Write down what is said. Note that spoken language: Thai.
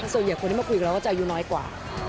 ส่วนใหญ่คนที่มาคุยกับเราก็จะอายุน้อยกว่า